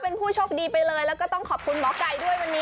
เป็นผู้โชคดีไปเลยแล้วก็ต้องขอบคุณหมอไก่ด้วยวันนี้